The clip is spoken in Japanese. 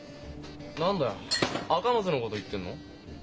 何だよ赤松のこと言ってるの？